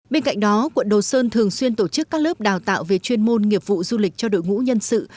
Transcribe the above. bên cạnh đó quận đồ sơn thường xuyên tổ chức các lớp đào tạo về chuyên môn nghiệp vụ du lịch cho đội ngũ nhân sự